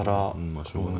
まあしょうがない。